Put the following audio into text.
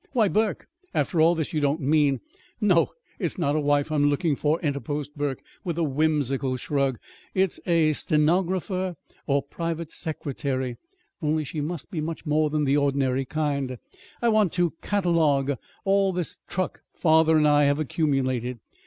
"Why, Burke, after all this, you don't mean " "No, it's not a wife I'm looking for," interposed Burke, with a whimsical shrug. "It's a a stenographer or private secretary, only she must be much more than the ordinary kind. I want to catalogue all this truck father and I have accumulated.